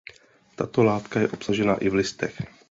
Tato látka je obsažena i v listech.